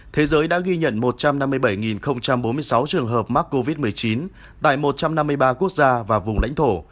thế giới đã ghi nhận một trăm năm mươi bảy bốn mươi sáu trường hợp mắc covid một mươi chín tại một trăm năm mươi ba quốc gia và vùng lãnh thổ